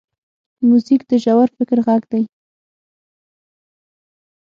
موزیک د ژور فکر غږ دی.